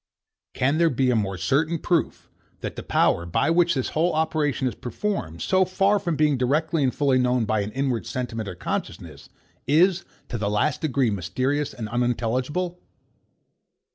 Can there be a more certain proof, that the power, by which this whole operation is performed, so far from being directly and fully known by an inward sentiment or consciousness, is, to the last degree mysterious and unintelligible?